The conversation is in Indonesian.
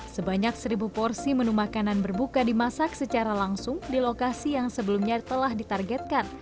sebanyak seribu porsi menu makanan berbuka dimasak secara langsung di lokasi yang sebelumnya telah ditargetkan